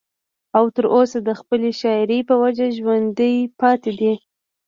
او تر اوسه د خپلې شاعرۍ پۀ وجه ژوندی پاتې دی